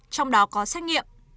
trong đó có xét nghiệm